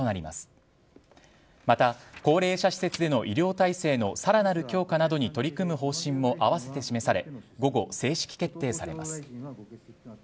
また、高齢者施設での医療体制のさらなる強化などに取り組む方針も併せて示され午後、正式決定されます。